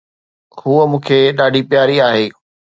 ھوءَ مون کي ڏاڍي پياري آھي.